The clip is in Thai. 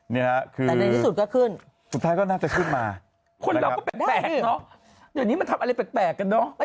นี่นะครับนี่คือคุณลองก็แปลกเนอะอย่างงี้เราเราเปอร์พอร์ไม่ออกไปอะ